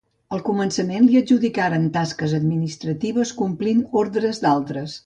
Al començament li adjudicaren tasques administratives complint ordres d'altres.